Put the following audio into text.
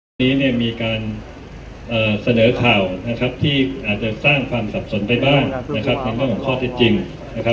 วันนี้เนี่ยมีการเสนอข่าวนะครับที่อาจจะสร้างความสับสนไปบ้างนะครับความมั่นของข้อเท็จจริงนะครับ